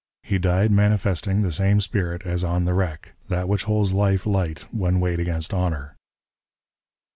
He died manifesting the same spirit as on the wreck that which holds life light when weighed against honor.